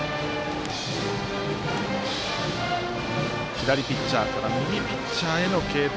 左ピッチャーから右ピッチャーへの継投。